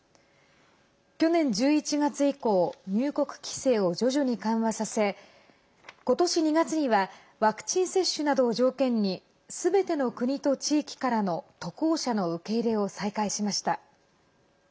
去年１１月以降入国規制を徐々に緩和させことし２月にはワクチン接種などを条件にすべての国と地域からの渡航者の受け入れを再開しました。